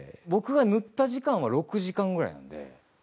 僕が縫った時間は６時間ぐらいなんで。